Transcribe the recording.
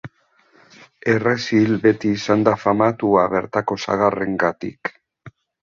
Errezil beti izan da famatua bertako sagarrengatik.